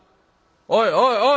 おいおい